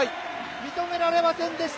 認められませんでした。